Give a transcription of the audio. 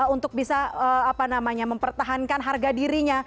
untuk bisa mempertahankan harga dirinya